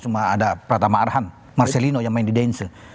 sama ada prata ma arhan marcelino yang main di deinsel